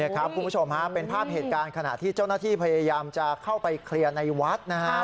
คุณผู้ชมเป็นภาพเหตุการณ์ขณะที่เจ้าหน้าที่พยายามจะเข้าไปเคลียร์ในวัด